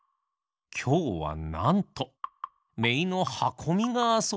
きょうはなんとめいのはこみがあそびにきています。